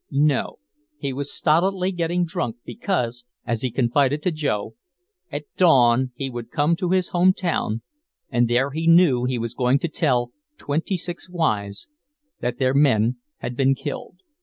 No, he was stolidly getting drunk because, as he confided to Joe, at dawn he would come to his home town and there he knew he was going to tell twenty six wives that their men had been killed.